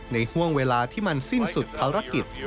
ห่วงเวลาที่มันสิ้นสุดภารกิจ